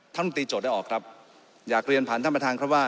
รัฐมนตรีโจทย์ได้ออกครับอยากเรียนผ่านท่านประธานครับว่า